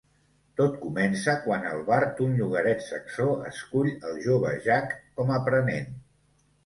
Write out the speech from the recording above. Tot comença quan el bard d'un llogaret saxó escull el jove Jack com aprenent.